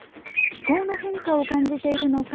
気候の変化を感じているのか